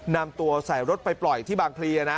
นำตัวใส่รถไปปล่อยที่บางเพลียนะ